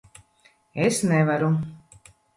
Es nevaru.